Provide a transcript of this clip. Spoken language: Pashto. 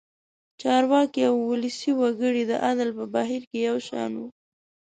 چارواکي او ولسي وګړي د عدل په بهیر کې یو شان وو.